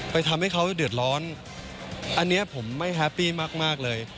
ทำให้เขาเดือดร้อนอันนี้ผมไม่แฮปปี้มากเลย